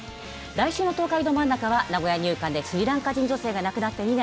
来週の「東海ドまんなか！」は名古屋入管でスリランカ女性が亡くなって２年。